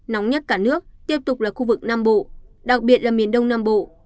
nóng nhất cả nước tiếp tục là khu vực nam bộ đặc biệt là miền đông nam bộ